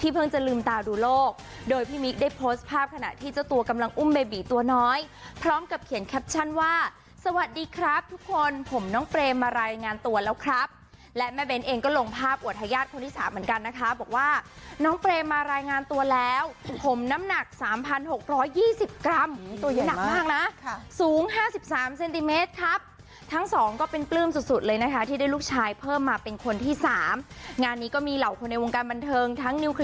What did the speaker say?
เพิ่งจะลืมตาดูโลกโดยพี่มิ๊กได้โพสต์ภาพขณะที่เจ้าตัวกำลังอุ้มเบบีตัวน้อยพร้อมกับเขียนแคปชั่นว่าสวัสดีครับทุกคนผมน้องเปรย์มารายงานตัวแล้วครับและแม่เบนเองก็ลงภาพอวทยาติคนที่สามเหมือนกันนะคะบอกว่าน้องเปรย์มารายงานตัวแล้วผมน้ำหนักสามพันหกร้อยยี่สิบกรัมตัวใหญ่มากน่ะค่ะสู